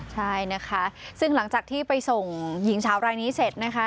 ใช่นะคะซึ่งหลังจากที่ไปส่งหญิงสาวรายนี้เสร็จนะคะ